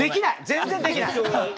全然できない。